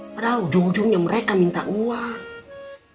padahal ujung ujungnya mereka minta uang